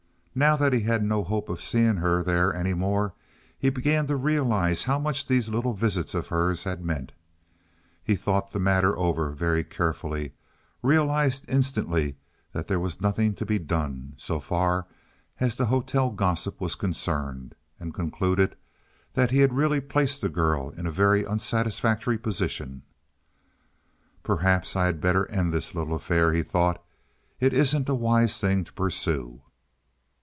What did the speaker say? Now that he had no hope of seeing her there any more, he began to realize how much these little visits of hers had meant. He thought the matter over very carefully, realized instantly that there was nothing to be done so far as the hotel gossip was concerned, and concluded that he had really placed the girl in a very unsatisfactory position. "Perhaps I had better end this little affair," he thought. "It isn't a wise thing to pursue."